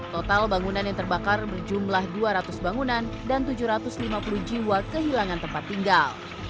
total bangunan yang terbakar berjumlah dua ratus bangunan dan tujuh ratus lima puluh jiwa kehilangan tempat tinggal